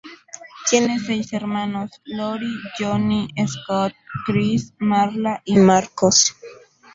Tiene seis hermanos: Lori, Johnny, Scott, Chris, Marla y Marcos.